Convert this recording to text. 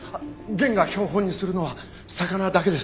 源が標本にするのは魚だけです。